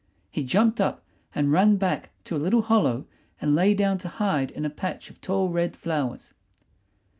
He jumped up and ran back to a little hollow and lay down to hide in a patch of tall red flowers.